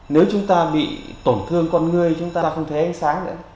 nếu chúng ta bị tổn thương con người chúng ta không thấy ánh sáng nữa